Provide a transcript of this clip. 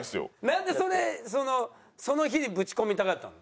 なんでそれその日にぶち込みたかったの？